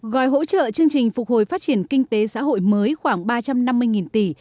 gói hỗ trợ chương trình phục hồi phát triển kinh tế xã hội mới khoảng ba trăm năm mươi tỷ